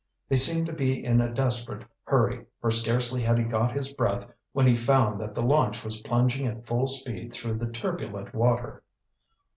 They seemed to be in a desperate hurry, for scarcely had he got his breath when he found that the launch was plunging at full speed through the turbulent water.